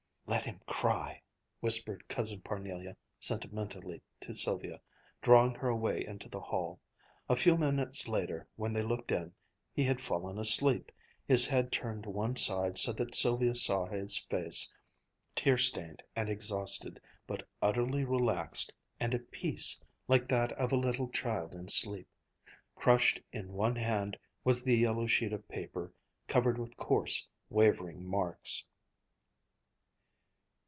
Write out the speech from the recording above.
"Let him cry!" whispered Cousin Parnelia sentimentally to Sylvia, drawing her away into the hall. A few moments later when they looked in, he had fallen asleep, his head turned to one side so that Sylvia saw his face, tear stained and exhausted, but utterly relaxed and at peace, like that of a little child in sleep. Crushed in one hand was the yellow sheet of paper covered with coarse, wavering marks.